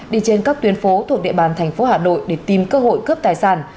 đi trên các tuyến phố thuộc địa bàn thành phố hà nội để tìm cơ hội cướp tài sản